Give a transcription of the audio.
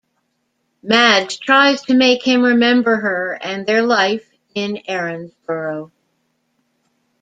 Madge tries to make him remember her and their life in Erinsborough.